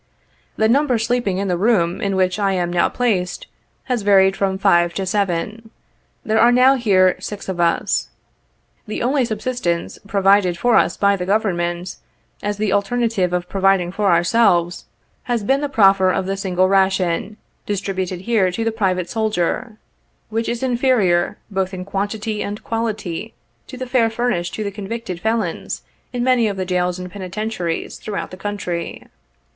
The number sleeping in the room in which I am now placed, has varied from five to seven. There are now here, six of us. The only subsistence provided for us by the Government, as the alternative of providing for ourselves, has been the proffer of the single ration, distributed here to the private soldier, which is inferior 26 both in quantity and quality, to the fare furnished to the convicted felons in many of the jails and penitentiaries throughout the country.